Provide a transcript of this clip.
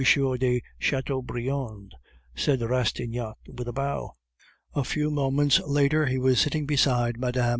de Chateaubriand," said Rastignac, with a bow. A few moments later he was sitting beside Mme.